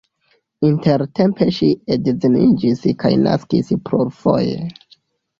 Intertempe ŝi edziniĝis kaj naskis plurfoje.